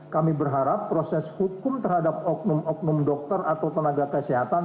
kami berharap proses hukum terhadap oknum oknum dokter atau tenaga kesehatan